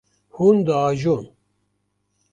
Hûn diajon.